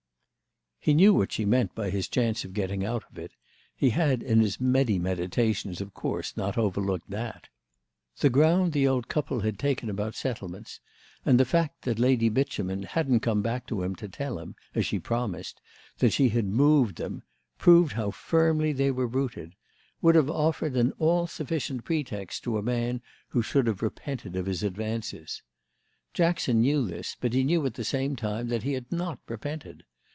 He knew what she meant by his chance of getting out of it; he had in his many meditations of course not overlooked that. The ground the old couple had taken about settlements—and the fact that Lady Beauchemin hadn't come back to him to tell him, as she promised, that she had moved them, proved how firmly they were rooted—would have offered an all sufficient pretext to a man who should have repented of his advances. Jackson knew this, but knew at the same time that he had not repented.